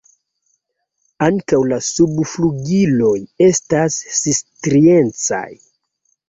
Ankaŭ la subflugiloj estas striecaj.